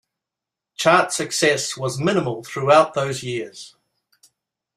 Chart success was minimal throughout those years.